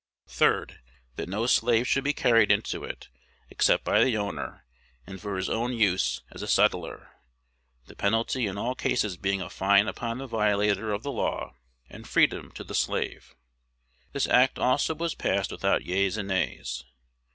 Third, That no slave should be carried into it, except by the owner, and for his own use as a settler; the penalty in all the cases being a fine upon the violator of the law, and freedom to the slave. This act also was passed without yeas and nays.